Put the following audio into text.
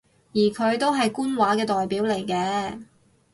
而佢都係官話嘅代表嚟嘅